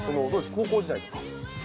高校時代とか。